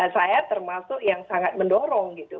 saya termasuk yang sangat mendorong gitu